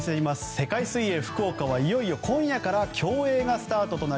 世界水泳福岡は、いよいよ今夜から競泳がスタートです。